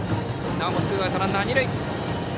なおもツーアウトランナー、二塁。